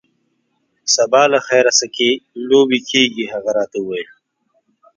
سبا له خیره سکی لوبې کیږي. هغه راته وویل.